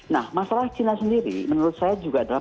nah masalah china sendiri menurut saya juga adalah